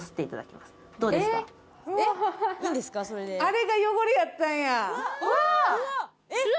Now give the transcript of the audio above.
あれが汚れやったんや！